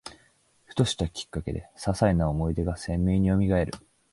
ふとしたきっかけで、ささいな思い出が鮮明によみがえる